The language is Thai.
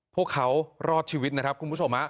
พวกเขารอดชีวิตนะครับคุณผู้ชม